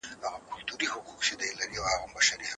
زما ورور له ما څخه په قد کې لوړ دی.